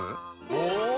お！